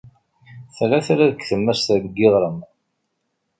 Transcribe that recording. Tella tala deg tlemmast n yiɣrem.